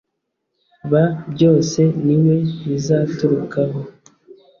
b byose ni we bizaturukaho